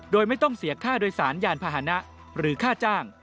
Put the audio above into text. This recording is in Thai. โดยไม่ต้องเสียค่าโดยสารยานพาหนะหรือค่าจ้าง